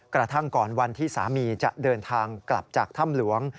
กระทั่งก่อนวันที่สามีจะเดินทางกลับจากถ้ำหลวง